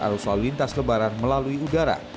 arus lalu lintas lebaran melalui udara